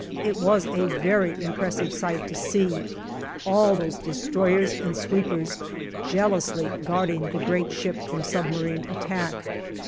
It was a very impressive sight to see all these destroyers and sweepers jealously guarding the great ship from submarine attack.